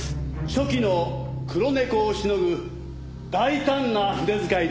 初期の『黒猫』をしのぐ大胆な筆遣いであります。